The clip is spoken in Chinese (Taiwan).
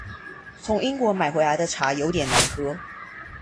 從英國買回來的茶有點難喝